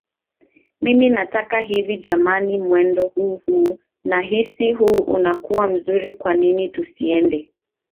Mimi nataka hivi jamani mwendo huu huu nahisi huu unakuwa mzuri kwanini tusiende